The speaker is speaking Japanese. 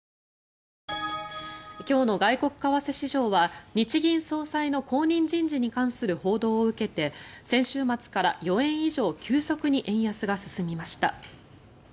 今日の外国為替市場は日銀総裁の後任人事に関する報道を受けて先週末から４円以上急速に円安が進みました。